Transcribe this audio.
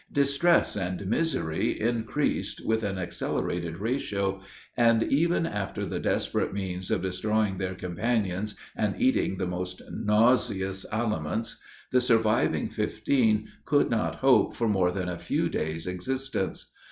Distress and misery increased with an accelerated ratio; and even after the desperate means of destroying their companions, and eating the most nauseous aliments, the surviving fifteen could not hope for more than a few days' existence.